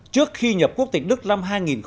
trước khi nhập quốc tịch đức năm hai nghìn năm